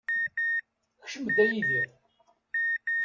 Kcem-d, a Yidir.